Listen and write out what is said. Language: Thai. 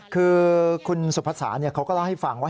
คือคุณสุภาษาเขาก็เล่าให้ฟังว่า